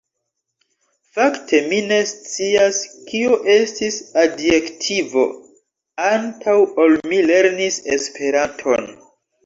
Fakte mi ne scias kio estis adjektivo antaŭ ol mi lernis Esperanton.